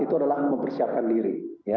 itu adalah mempersiapkan diri